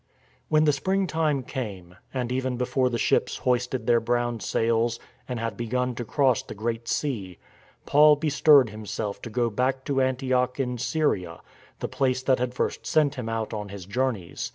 When the spring time came, and even before the ships hoisted their brown sails and had begun to cross the Great Sea, Paul bestirred himself to go back to Antioch in Syria, the place that had first sent him out on his journeys.